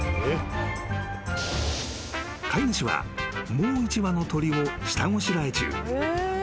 ［飼い主はもう１羽の鶏を下ごしらえ中］